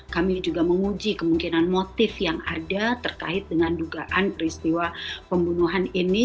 kami juga menguji kemungkinan motif yang ada terkait dengan dugaan peristiwa pembunuhan ini